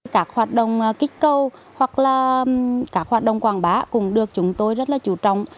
các hoạt động kích cầu hoặc là các hoạt động quảng bá cũng được chúng tôi rất là chủ trọng